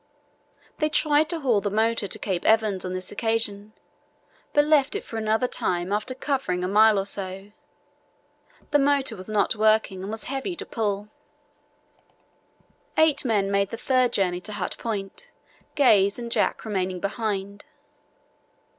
They tried to haul the motor to Cape Evans on this occasion, but left it for another time after covering a mile or so. The motor was not working and was heavy to pull. Eight men made the third journey to Hut Point, Gaze and Jack remaining behind.